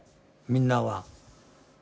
みんなは。